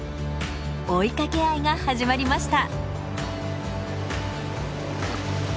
追いかけ合いが始まりました。